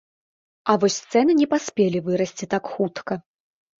А вось цэны не паспелі вырасці так хутка.